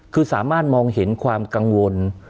คือสามารถมองเห็นความกังวล